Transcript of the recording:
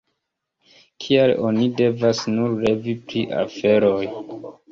Kial oni devas nur revi pri aferoj?